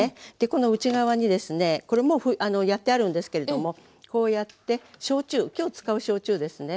この内側にですねこれもうやってあるんですけれどもこうやって焼酎今日使う焼酎ですね。